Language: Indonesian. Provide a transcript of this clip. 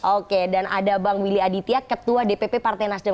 oke dan ada bang willy aditya ketua dpp partai nasdem